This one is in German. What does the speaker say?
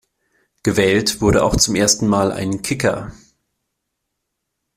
Gewählt wurde auch zum ersten Mal ein Kicker.